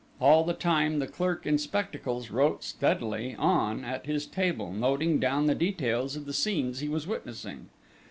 All the time, the clerk in spectacles wrote steadily on at his table, noting down the details of the scenes he was witnessing.